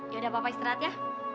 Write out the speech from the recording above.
yaudah papa istirahat ya